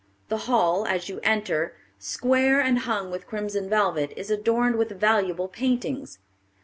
The hall, as you enter, square and hung with crimson velvet, is adorned with valuable paintings.